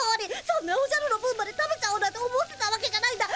そんなおじゃるの分まで食べちゃおうなんて思ってたわけじゃないんだ。